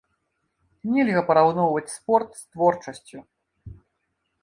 Нельга параўноўваць спорт з творчасцю.